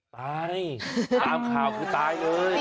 ตายตามข่าวคือตายเลย